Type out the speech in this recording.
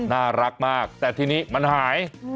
น่ารักมากแต่ทีนี้มันหาย